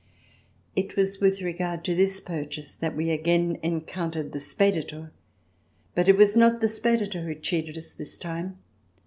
It was with regard to this purchase that we again encountered the Speditor. But it was not the Speditor who cheated us this time.